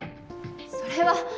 それは。